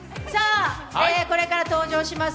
これから登場します